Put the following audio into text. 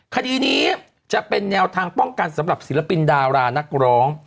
คดีนี้จะเป็นแนวทางป้องกันสำหรับศิลปินดารานักร้อง